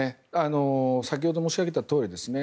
先ほど申しあげたとおりですね。